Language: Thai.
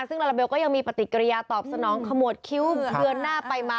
ซึ่งลาลาเบลก็ยังมีปฏิกิริยาตอบสนองขมวดคิ้วเดือนหน้าไปมา